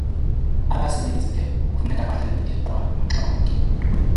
Abasebenzi ke kufuneka bahlale bethe qwa maxa onke.